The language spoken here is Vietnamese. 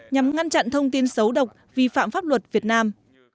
nhằm ngăn chặn thông tin xấu độc vi phạm pháp luật việt nam